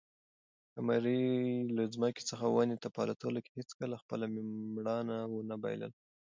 قمرۍ له ځمکې څخه ونې ته په الوتلو کې هیڅکله خپله مړانه ونه بایلله.